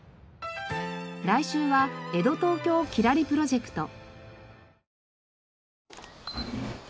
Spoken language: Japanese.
来週は江戸東京きらりプロジェクト。